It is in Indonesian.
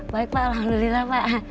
baik pak alhamdulillah pak